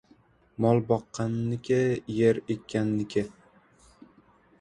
Mol — boqqanniki, yer — ekkanniki.